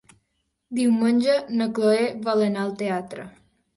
Diumenge na Cloè vol anar al teatre.